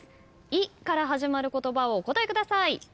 「い」から始まる言葉をお答えください。